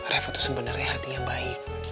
reva tuh sebenarnya hatinya baik